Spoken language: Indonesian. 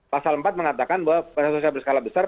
pasal empat mengatakan bahwa pelayanan sosial berskala besar